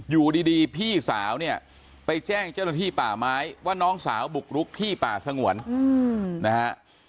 อยู่ดีพี่สาวเนี่ยไปแจ้งเจ้าหน้าที่ป่าไม้ว่าน้องสาวบุกรุกที่ป่าสงวนนะฮะ